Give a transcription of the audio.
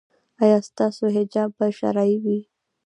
ایا ستاسو حجاب به شرعي وي؟